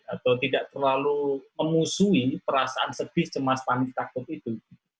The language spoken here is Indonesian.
atau tidak terlalu memusuhi perasaan sedih cemas panik takut itu